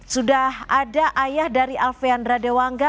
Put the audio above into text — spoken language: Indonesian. sudah ada ayah dari alvendra dewanga